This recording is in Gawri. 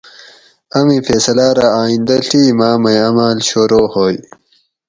امی فیصلاۤ رہ آئندہ ڷی ماۤ مئی عمل شروع ہوئے